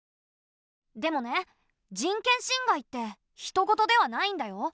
でもね人権侵害ってひとごとではないんだよ。